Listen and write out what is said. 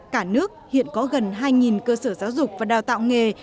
cả nước hiện có gần hai cơ sở giáo dục và đào tạo nghề